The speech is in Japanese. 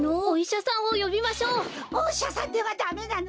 おいしゃさんではダメなの。